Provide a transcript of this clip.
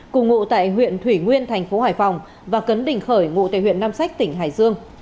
cùng ngụ tại huyện thủy nguyên thành phố hải phòng và cấn đình khởi ngụ tại huyện nam sách tỉnh hải dương